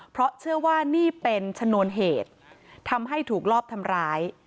เพราะเชื่อว่านี่เป็นชนวนเหตุทำให้ถูกลอบทำร้าย